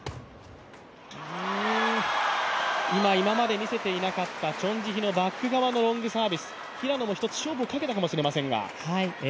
今、今まで見せていなかったチョン・ジヒのバック側のロングサービス、平野も１つ、勝負をかけたかもしれませんが。